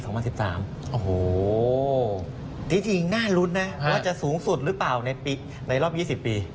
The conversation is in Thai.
โอ้โหที่จริงน่ารุ้นนะว่าจะสูงสุดหรือเปล่าในรอบ๒๐ปี